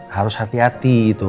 harus hati hati tuh